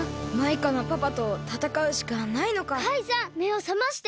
カイさんめをさまして！